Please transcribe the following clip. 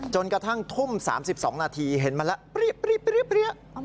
จนกระทั่งทุ่ม๓๒นาทีเห็นมันแล้ว